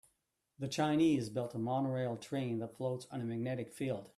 The Chinese built a monorail train that floats on a magnetic field.